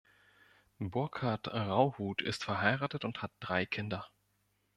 Burkhard Rauhut ist verheiratet und hat drei Kinder.